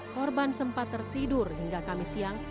korban sempat tertidur hingga kamis siang